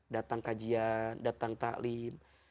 datang kajian datang taklim